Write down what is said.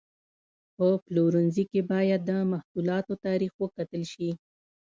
په پلورنځي کې باید د محصولاتو تاریخ وکتل شي.